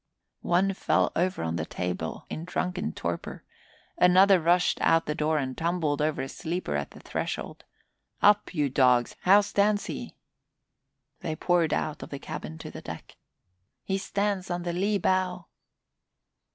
One fell over on the table in drunken torpor. Another rushed out the door and tumbled over a sleeper at the threshold. "Up, you dogs! How stands he?" They poured out of the cabin to the deck. "He stands on the lee bow!"